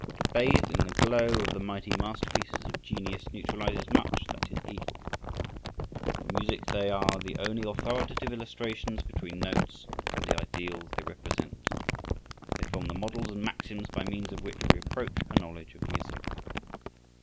To bathe in the glow of the mighty masterpieces of genius neutralizes much that is evil. In music they are the only authoritative illustrations between notes and the ideals they represent; they form the models and maxims by means of which we approach a knowledge of music.